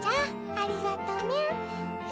ありがとうみゃ！